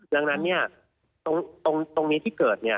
ดังนั้นนี่ตรงนี้ที่เกิด